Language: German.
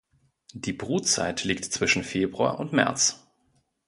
Die Brutzeit liegt zwischen Februar und März.